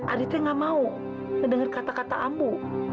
adit tidak mau mendengar kata kata ambu